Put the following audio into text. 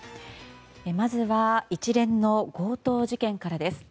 まずは一連の強盗事件からです。